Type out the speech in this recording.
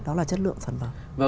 đó là chất lượng sản phẩm